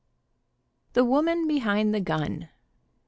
THE WOMAN BEHIND THE GUN.